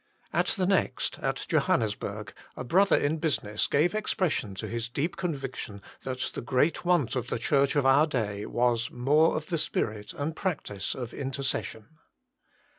At the next, at Johannesburg, a brother in business gave expression to his deep conviction that the great want of the Church of our day was, more of the spirit and practice of inter cession.